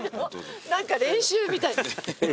何か練習みたい。